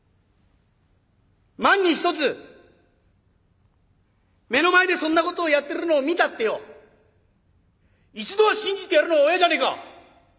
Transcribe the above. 万に一つ目の前でそんなことをやってるのを見たってよ一度は信じてやるのが親じゃねえか。